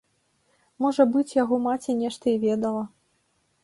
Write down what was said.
Можа быць, яго маці нешта і ведала.